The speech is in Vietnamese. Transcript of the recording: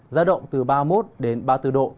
giá động từ ba mươi một đến ba mươi bốn độ